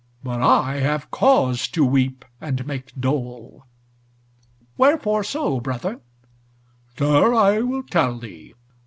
But I have cause to weep and make dole." "Wherefore so, brother?" "Sir, I will tell thee.